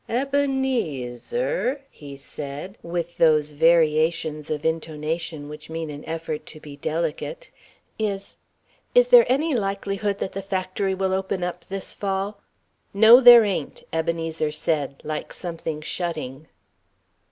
"Ebenezer," he said, with those variations of intonation which mean an effort to be delicate, "is is there any likelihood that the factory will open up this Fall?" "No, there ain't," Ebenezer said, like something shutting.